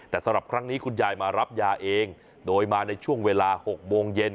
แต่สำหรับครั้งนี้คุณยายมารับยาเองโดยมาในช่วงเวลา๖โมงเย็น